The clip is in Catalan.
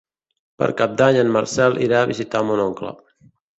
Per Cap d'Any en Marcel irà a visitar mon oncle.